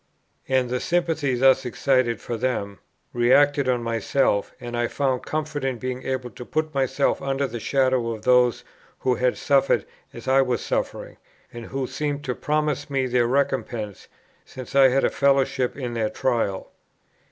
And the sympathy thus excited for them, re acted on myself, and I found comfort in being able to put myself under the shadow of those who had suffered as I was suffering, and who seemed to promise me their recompense, since I had a fellowship in their trial.